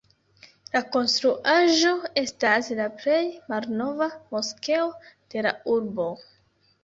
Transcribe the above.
La konstruaĵo estas la plej malnova moskeo de la urbo.